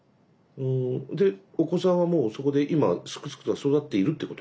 でお子さんはもうそこで今すくすくと育っているということね。